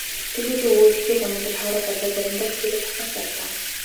Тэр сүүлийн үед хичээл номдоо тааруу болоод заримдаа хичээлээ таслах ч боллоо.